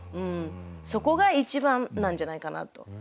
そこが一番なんじゃないかなと。